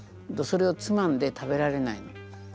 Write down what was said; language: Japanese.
それをつまんで食べられないの。